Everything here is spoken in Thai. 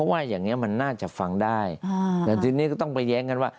ว่าอย่างเงี้มันน่าจะฟังได้แต่ทีนี้ก็ต้องไปแย้งกันว่า